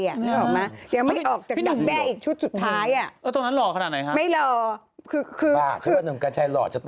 นะหรอไหมยังไม่ออกจากอีกชุดชุดท้ายอ่ะพี่หนุ่มหล่อ